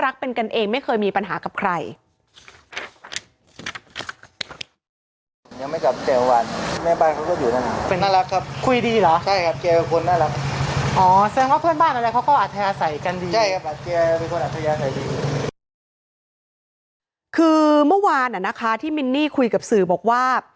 คือเมื่อวานที่มินนี่คุยกับสื่อบอกว่า